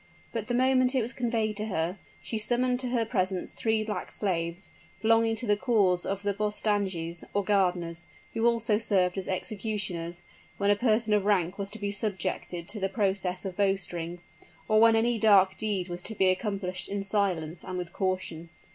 But the moment it was conveyed to her, she summoned to her presence three black slaves, belonging to the corps of the bostanjis, or gardeners, who also served as executioners, when a person of rank was to be subjected to the process of bowstring, or when any dark deed was to be accomplished in silence and with caution.